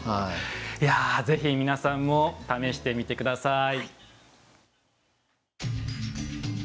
ぜひ皆さんも試してみてください。